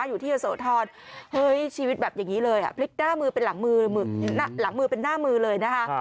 อยู่ที่เยอะโสธรเฮ้ยชีวิตแบบอย่างนี้เลยพลิกหน้ามือเป็นหลังมือหลังมือเป็นหน้ามือเลยนะคะ